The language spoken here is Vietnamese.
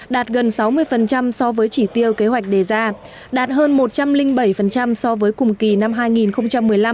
đạt gần sáu mươi so với chỉ tiêu kế hoạch đề ra đạt hơn một trăm linh bảy so với cùng kỳ năm hai nghìn một mươi năm